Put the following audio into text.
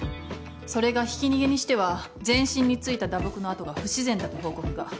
それがひき逃げにしては全身についた打撲の痕が不自然だと報告が。